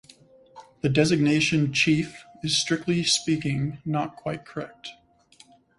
The designation "chief" is, strictly speaking, not quite correct.